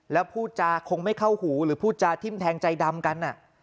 แล้วพูดจาคงไม่เข้าหูหรือพูดจาทิ้มแทงใจดำกัน